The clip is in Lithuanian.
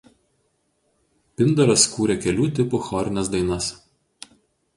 Pindaras kūrė kelių tipų chorines dainas.